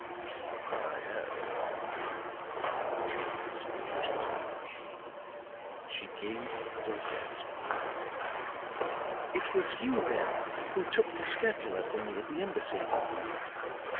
"I have," returned the secret agent. She gave a little gasp. "It was you, then, who took the scapular from me at the embassy?"